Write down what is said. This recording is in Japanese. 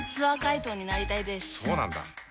そうなんだ。